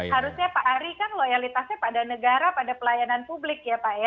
harusnya pak ari kan loyalitasnya pada negara pada pelayanan publik ya pak ya